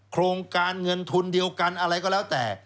โครงการเงินทุนเดียวกันอะไรก็แล้วแต่